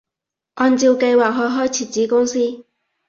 按照計劃去開設子公司